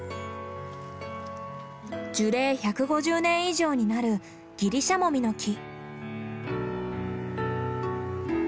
樹齢１５０年以上になるギリシャモミの木。